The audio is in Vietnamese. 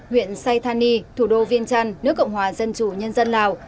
huyện saythani thủ đô viên trăn nước cộng hòa dân chủ nhân dân lào